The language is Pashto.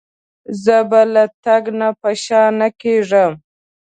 زه به له تګ نه په شا نه کېږم.